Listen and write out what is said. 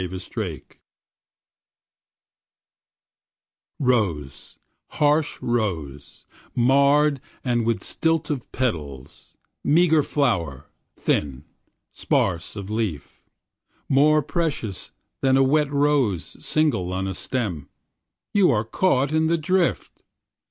Sea Rose ROSE, harsh rose, marred and with stint of petals, meagre flower, thin, sparse of leaf, more precious than a wet rose single on a stem you are caught in the drift.